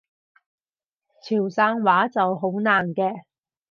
潮汕話就好難嘅